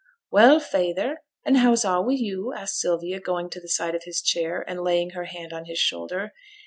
'Well, feyther, and how's a' wi' you?' asked Sylvia, going to the side of his chair, and laying her hand on his shoulder.